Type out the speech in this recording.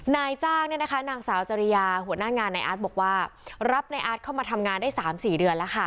นายจ้างเนี่ยนะคะนางสาวจริยาหัวหน้างานในอาร์ตบอกว่ารับในอาร์ตเข้ามาทำงานได้๓๔เดือนแล้วค่ะ